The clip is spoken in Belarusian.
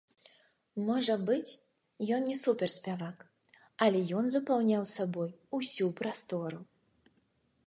Можа быць, ён не суперспявак, але ён запаўняў сабой усю прастору!